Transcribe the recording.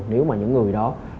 nếu mà những người đó